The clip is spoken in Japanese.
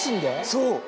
そう！